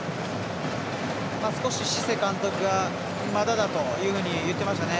シセ監督がまだだというふうに言ってましたね。